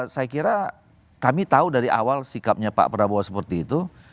saya kira kami tahu dari awal sikapnya pak prabowo seperti itu